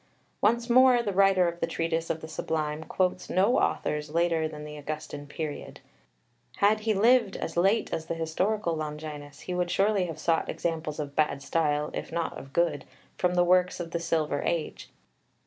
Once more, the writer of the Treatise of the Sublime quotes no authors later than the Augustan period. Had he lived as late as the historical Longinus he would surely have sought examples of bad style, if not of good, from the works of the Silver Age.